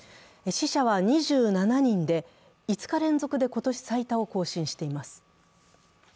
死者は２７人で、５日連続で今年最多を更新しています。